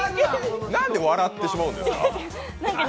何で笑ってしまうんですか？